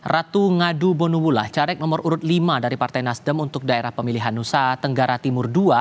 ratu ngadu bonubullah caleg nomor urut lima dari partai nasdem untuk daerah pemilihan nusa tenggara timur ii